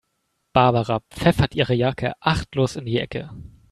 Barbara pfeffert ihre Jacke achtlos in die Ecke.